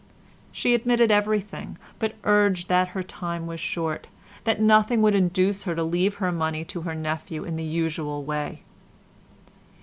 She admitted everything, but urged that her time was short, that nothing would induce her to leave her money to her nephew in the usual way.